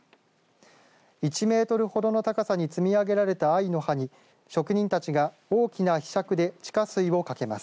１メートルほどの高さに積み上げられた藍の葉に職人たちが、大きなひしゃくで地下水をかけます。